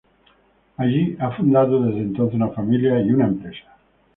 Allí, ha fundado desde entonces una familia y una empresa.